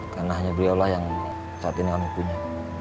karena hanya beliau lah yang saat ini amik punya